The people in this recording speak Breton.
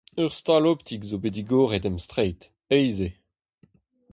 Ur stal optik zo bet digoret em straed, aes eo.